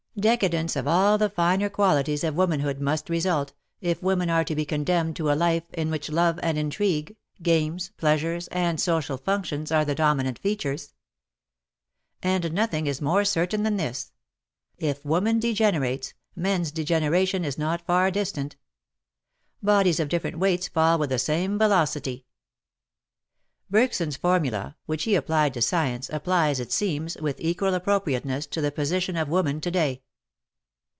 Decadence of all the finer qualities of womanhood must result, WAR AND WOMEN a 17 if women are to be condemned to a life in which love and intrigue, games, pleasures and social functions are the dominant features. And nothing is more certain than this : if woman degenerates, man's degeneration is not far distant. Bodies of different weights fall with the same velocity." Bergson's formula, which he applied to science, applies, it seems, with equal appro priateness to the position of woman to day.